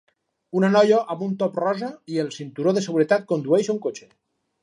Una noia amb un top rosa i el cinturó de seguretat condueix un cotxe.